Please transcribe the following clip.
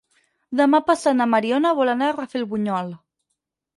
Demà passat na Mariona vol anar a Rafelbunyol.